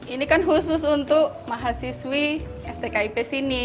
ini kan khusus untuk mahasiswi stkip sini